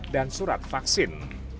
dan surat vaksin